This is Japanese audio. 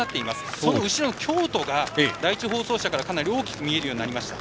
その後ろの京都が第１放送車から大きく見えるようになりました。